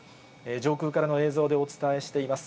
上空からの映像でお伝えしています。